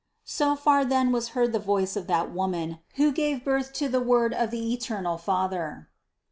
So far then was heard the voice of that Woman who gave birth to the Word of the eternal Father.